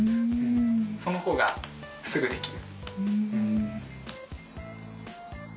その方がすぐできる。